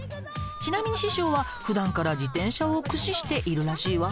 ちなみに師匠は普段から自転車を駆使しているらしいわ。